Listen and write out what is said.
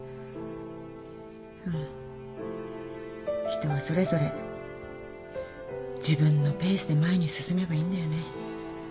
人はそれぞれ自分のペースで前に進めばいいんだよね。